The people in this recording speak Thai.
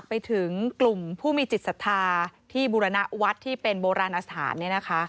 ไปถึงกลุ่มผู้มีจิตศรัทธาที่บุรณวัฒน์ที่เป็นโบราณอสถาน